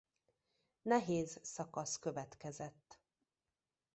Nehéz szakasz következett.